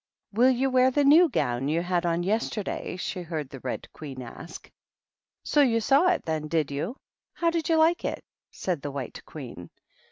"Will you wear the new gown you had on yesterday?" she heard the Red Queen ask. " So you saw it, then, did you ? How did you like it ?" said the White Queen.